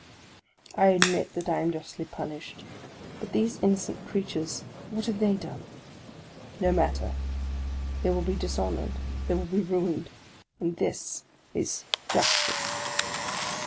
I admit that I am justly punished; but these innocent creatures, what have they done? No matter; they will be dishonoured, they will be ruined; and this is justice!